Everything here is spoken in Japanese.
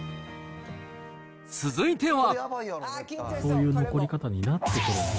続いては。